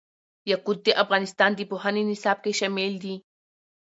یاقوت د افغانستان د پوهنې نصاب کې شامل دي.